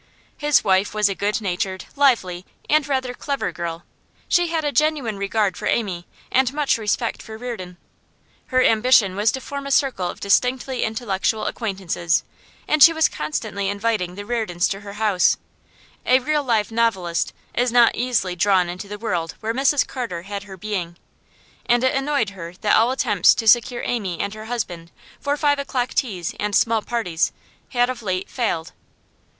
His wife was a good natured, lively, and rather clever girl; she had a genuine regard for Amy, and much respect for Reardon. Her ambition was to form a circle of distinctly intellectual acquaintances, and she was constantly inviting the Reardons to her house; a real live novelist is not easily drawn into the world where Mrs Carter had her being, and it annoyed her that all attempts to secure Amy and her husband for five o'clock teas and small parties had of late failed.